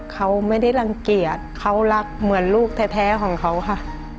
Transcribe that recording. เขาไม่ได้รังเกียจเขารักเหมือนลูกแท้ของเขาค่ะ